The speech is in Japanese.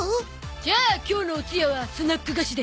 じゃあ今日のおつやはスナック菓子で